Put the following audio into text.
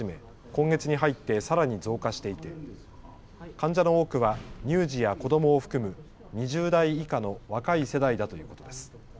今月に入ってさらに増加していて患者の多くは乳児や子どもを含む２０代以下の若い世代だということです。